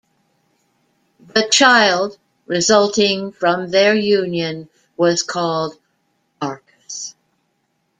The child resulting from their union was called Arcas.